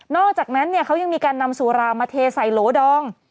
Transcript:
อกจากนั้นเขายังมีการนำสุรามาเทใส่โหลดอง